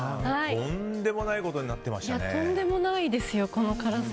とんでもないことにとんでもないですよ、この辛さ。